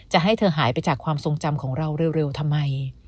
จะให้เธอหายไปจากความทรงจำของเราเร็วทำไม